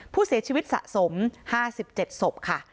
ผู้เสียชีวิตสะสม๕๗ศพค่ะ